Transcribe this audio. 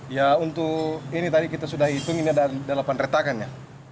ya untuk ini tadi kita sudah hitung ini ada delapan retakan ya